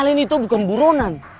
hal ini tuh bukan burunan